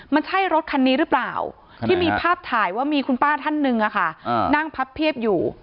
มันใช่รถคันนี้หรือเปล่าที่มีภาพถ่ายว่ามีคุณป้าท่านหนึ่งนั่งพับเพียบอยู่